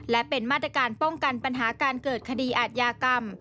และเป็นมาตรการป้องกันปัญหาการเกิดคดีอาทยากรรม